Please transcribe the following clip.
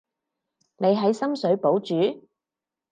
你喺深水埗住？